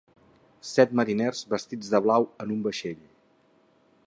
Set mariners vestits de blau en un vaixell.